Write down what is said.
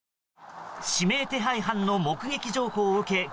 指名手配犯の目撃情報を受け